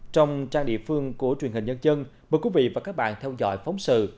trong trang địa phương của truyền hình nhân dân mời quý vị và các bạn theo dõi phóng sự